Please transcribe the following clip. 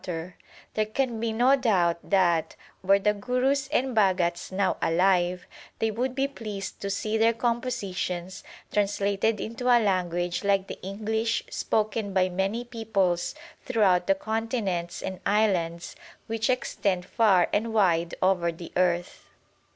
PREFACE ix There can be no doubt that, were the Gurus and Bha gats now alive, they would be pleased to see their com positions translated into a language like the English spoken by many peoples throughout the continents and islands which extend far and wide over the earth.